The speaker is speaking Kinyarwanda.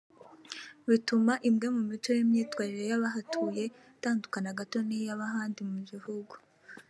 bituma imwe mu mico n’imyitwarire y’abahatuye itandukana gato n’iy’ab’ahandi mu gihugu